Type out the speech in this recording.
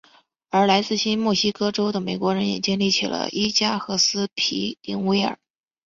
而来自新墨西哥州的美国人也建起了伊加和斯皮灵威尔。